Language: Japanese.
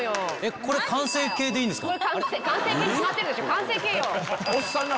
これ完成形でいいですか？